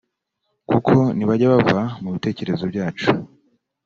kuko ntibajya bava mu bitekerezo byacu